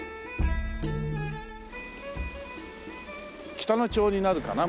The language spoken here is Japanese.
北野町になるかな？